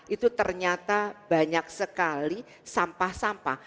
itu ternyata banyak sekali sampah sampah